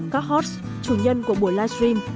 các hốt chủ nhân của buổi livestream